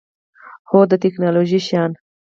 هو، د تکنالوژۍ شیان